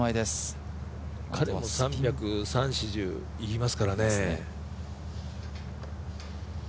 彼も３３０３４０いきますからね。